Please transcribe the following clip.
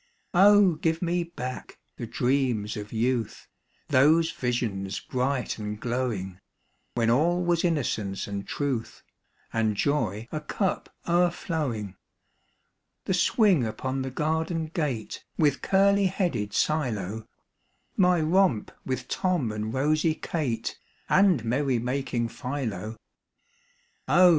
give me back the dreams of youth, Those visions bright and glowing, When all was innocence and truth, And joy a cup o'erflowing ; The swing upon the garden gate, With curly headed Silo, MY CHILDHOOD'S DAYS. 153 My romp with Tom and rosy Kate, And merry making Philo.